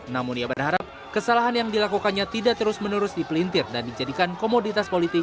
namun ia berharap kesalahan yang dilakukannya tidak terus menerus dipelintir dan dijadikan komoditas politik